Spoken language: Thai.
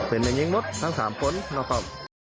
เป็นแม่งยิงมดทั้ง๓คนเราต้อง